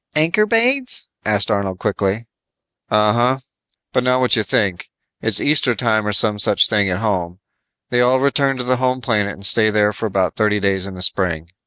"Ankorbades?" asked Arnold quickly. "Uh huh. But not what you think. It's Easter time or some such thing at home. They all return to the home planet and stay there for about thirty days in the spring.